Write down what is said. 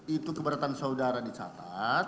itu keberatan saudara dicatat